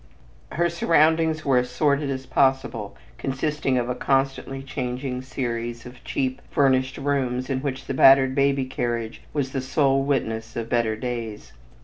Her surroundings were as sordid as possible, consisting of a constantly changing series of cheap "furnished rooms" in which the battered baby carriage was the sole witness of better days.